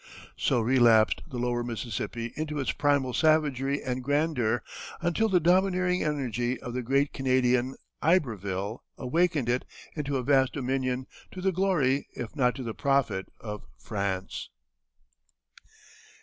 So relapsed the lower Mississippi into its primal savagery and grandeur, until the domineering energy of the great Canadian, Iberville, awakened it into a vast dominion, to the glory, if not to the profit, of France.